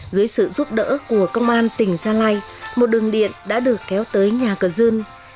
dưới sự giúp đỡ của công an tỉnh gia lai một đường điện đã được kéo tới nhà cơ dương